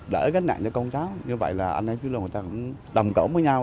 để gánh nạn cho con cháu như vậy là anh em chứ là người ta cũng đồng cổ với nhau